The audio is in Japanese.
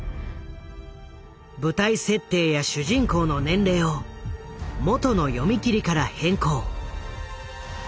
舞台設定や主人公の年齢をもとの読み切りから変更。